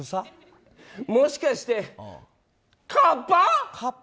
もしかして、河童！？